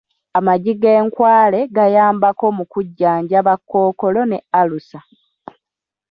Amagi g’enkwale gayambako mu kujjanjaba kookolo ne alusa.